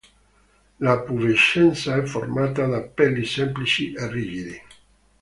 La pubescenza è formata da peli semplici e rigidi.